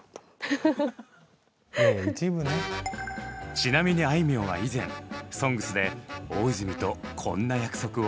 ちなみにあいみょんは以前「ＳＯＮＧＳ」で大泉とこんな約束を。